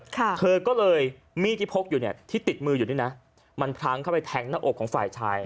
เธอก็เลยมีดที่พกอยู่เนี่ยที่ติดมืออยู่นี่นะมันพลั้งเข้าไปแทงหน้าอกของฝ่ายชาย